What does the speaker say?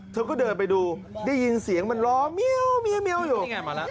เธอก็เดินไปดูได้ยินเสียงมันร้องเมียวเมียวอยู่